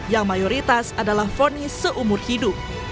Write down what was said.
yang mayoritas adalah fonis seumur hidup